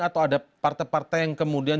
atau ada partai partai yang kemudian